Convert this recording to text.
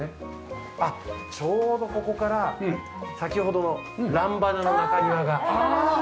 あっちょうどここから先ほどのランバダの中庭が。